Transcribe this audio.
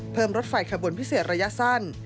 รถไฟขบวนพิเศษระยะสั้น